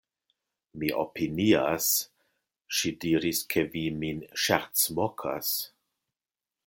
Mi opinias, ŝi diris, ke vi min ŝercmokas.